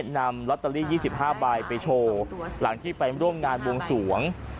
นำลอตเตอรี่๒๕ใบไปโชว์หลังที่ไปร่วมงานบวงสวง